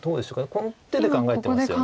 この手で考えてますよね。